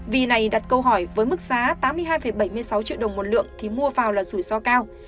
vì này đặt câu hỏi với mức giá tám mươi hai bảy mươi sáu triệu đồng một lượng thì mua vào là rủi ro cao